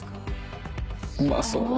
うまそう。